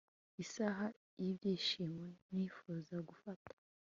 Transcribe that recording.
isaha y'ibyishimo nifuza gufata